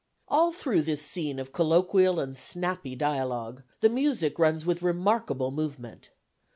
All through this scene of colloquial and snappy dialogue, the music runs with remarkable movement.